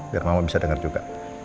biar mama bisa dengar juga